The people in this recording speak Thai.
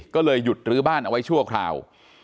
ก็เลยหยุดรื้อบ้านเอาไว้ชั่วคราว